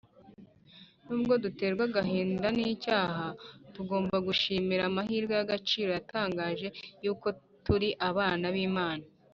nubwo duterwa agahinda n’icyaha, tugomba kwishimira amahirwe y’agaciro gatangaje y’uko turi abana b’imana